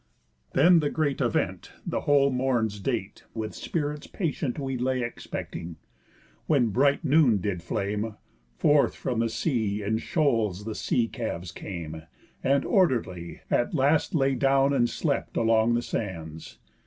Then the great event The whole morn's date, with spirits patient, We lay expecting. When bright noon did flame, Forth from the sea in shoals the sea calves came, And orderly, at last lay down and slept Along the sands.